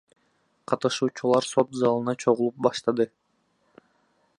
Катышуучулар сот залына чогулуп башташты.